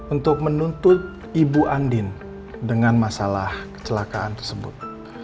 untuk menuntut ibu andin dengan masalah kecelakaan tersebut